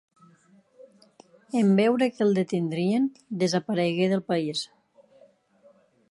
En veure que el detindrien, desaparegué del país.